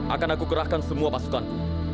akan aku gerahkan semua pasukanku